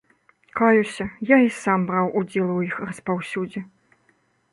Каюся, я і сам браў удзел у іх распаўсюдзе.